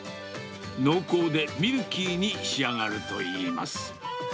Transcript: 濃厚でミルキーに仕上がるといいます。